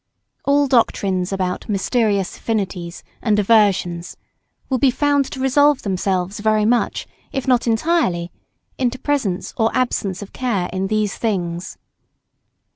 ] All doctrines about mysterious affinities and aversions will be found to resolve themselves very much, if not entirely, into presence or absence of care in these things.